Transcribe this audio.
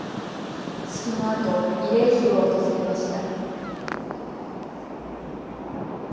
式のあと慰霊碑を訪れました。